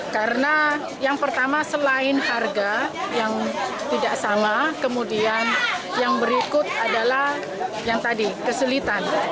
karena yang pertama selain harga yang tidak sama kemudian yang berikut adalah yang tadi kesulitan